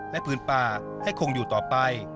และพื้นป่าให้คงอยู่ต่อไป